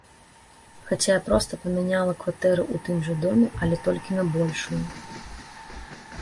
Хаця я проста памяняла кватэру ў тым жа доме, але толькі на большую.